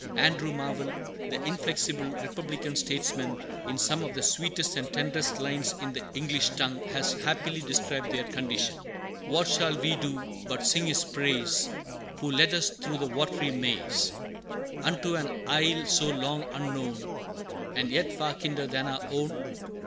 Andrew Marvell, the inflexible republican statesman, in some of the sweetest and tenderest lines in the English tongue, has happily described their condition: What shall we do but sing His praise Who led us through the watery maze, Unto an isle so long unknown, And yet far kinder than our own?